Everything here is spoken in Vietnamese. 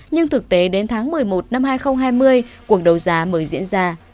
nhưng thực tế đến tháng một mươi một năm hai nghìn hai mươi cuộc đấu giá mới diễn ra